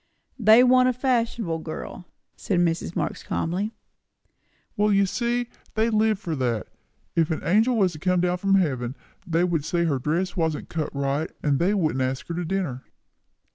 "They want a fashionable girl," said Mrs. Marx calmly. "Well, you see," said Tom, "they live for that. If an angel was to come down from heaven, they would say her dress wasn't cut right, and they wouldn't ask her to dinner!"